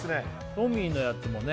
トミーのやつもね